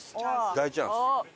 大チャンス。